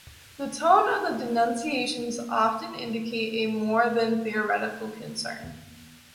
The tone of the denunciations often indicate a more than theoretical concern.